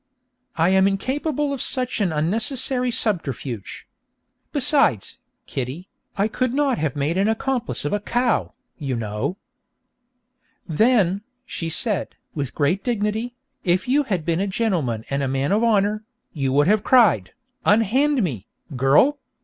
I am incapable of such an unnecessary subterfuge! Besides, Kitty, I could not have made an accomplice of a cow, you know.' 'Then,' she said, with great dignity, 'if you had been a gentleman and a man of honour, you would have cried, "Unhand me, girl!